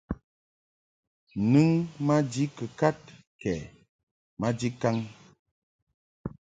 Nɨŋ maji kɨkad kɛ maji kaŋ.